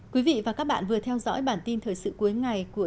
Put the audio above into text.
quý vị và các bạn vừa theo dõi bản tin thời sự cuối ngày của